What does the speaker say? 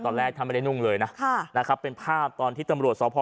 ตอนแรกท่านไม่ได้นุ่งเลยนะค่ะนะครับเป็นภาพตอนที่ตำรวจสพ